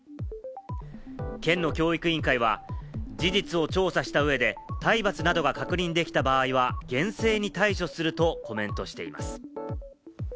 県の教育委員会は、事実を調査した上で体罰などが確認できた場合は厳正に対処するとコメントしています。